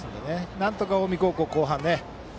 なんとか近江高校は後半ね。